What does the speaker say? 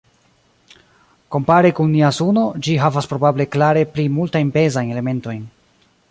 Kompare kun nia Suno ĝi havas probable klare pli multajn pezajn elementojn.